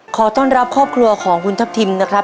ขอต้อนรับครอบครัวของคุณทัพทิมนะครับ